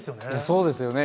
そうですよね。